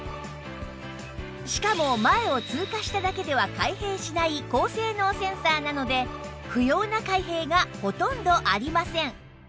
しかも前を通過しただけでは開閉しない高性能センサーなので不要な開閉がほとんどありません